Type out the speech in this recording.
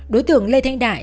đối tưởng lê thanh đại